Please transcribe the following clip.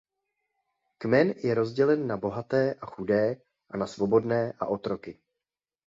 Kmen je rozdělen na bohaté a chudé a na svobodné a otroky.